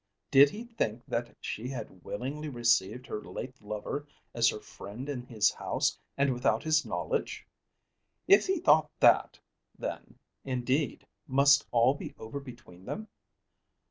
Did he think that she had willingly received her late lover as her friend in his house and without his knowledge? If he thought that, then, indeed, must all be over between them.